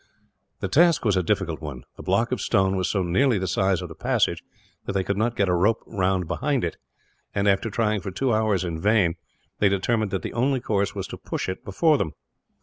The task was a difficult one. The block of stone was so nearly the size of the passage that they could not get a rope round behind it and, after trying for two hours, in vain, they determined that the only course was to push it before them.